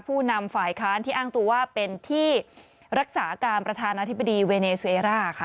ผู้นำฝ่ายค้านที่อ้างตัวว่าเป็นที่รักษาการประธานาธิบดีเวเนซูเอร่าค่ะ